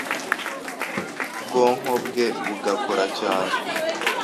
ndetse n’ubwonko bwe bugakora cyane.